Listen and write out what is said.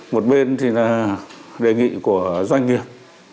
một bên thì là đề nghị của doanh nghiệp